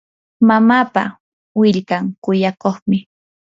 mamapa willkan kuyakuqmi.